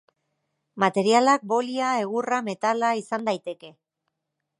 Materialak bolia, egurra, metala izan daiteke.